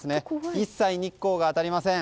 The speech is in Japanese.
一切日光が当たりません。